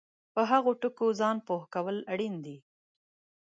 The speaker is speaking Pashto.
په هغو ټکو ځان پوه کول اړین دي